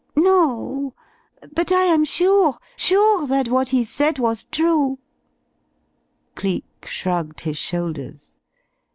"No. But I am sure, sure that what he said was true." Cleek shrugged his shoulders.